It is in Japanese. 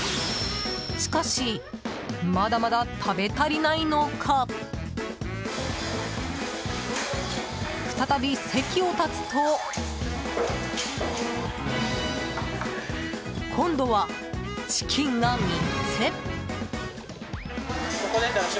しかしまだまだ食べ足りないのか再び席を立つと今度はチキンが３つ。